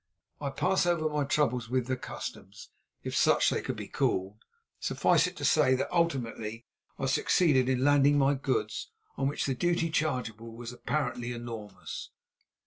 I pass over my troubles with the Customs, if such they could be called. Suffice it to say that ultimately I succeeded in landing my goods, on which the duty chargeable was apparently enormous.